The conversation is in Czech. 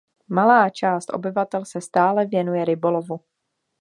Malá část obyvatel se stále věnuje rybolovu.